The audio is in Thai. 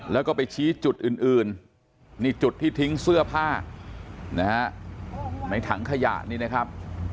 แล้วก็ไปชี้จุดอื่นนี่จุดที่ทิ้งเสื้อผ้านะฮะในถังขยะนี่นะครับ